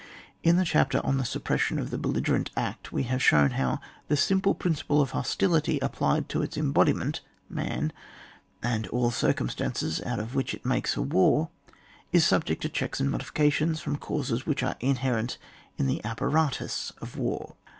In the chapter on the suspension of the Belligerent Act, we have shown how the simple principle of hostility ap • plied to its embodiment, man, and all circumstances out of which it makes a war, is subject to checks and modifica tions from causes which are inherent in the apparatus of war.